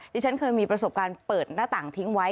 ที่ฉันเคยมีประสบการณ์เปิดหน้าต่างทิ้งไว้